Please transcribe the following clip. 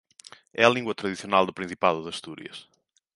É a lingua tradicional do Principado de Asturias.